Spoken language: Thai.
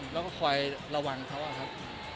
แล้วก็คอยระวังเขาอะครับ